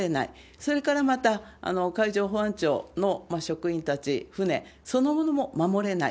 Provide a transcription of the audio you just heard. それからまた海上保安庁の職員たち、船そのものも守れない。